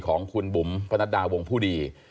ของคุณบุ๋มปนัดดาวงผู้ดี